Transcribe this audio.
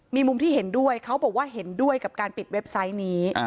มีมุมที่เห็นด้วยเขาบอกว่าเห็นด้วยกับการปิดเว็บไซต์นี้